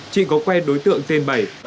chị có quen đối tượng tên bảy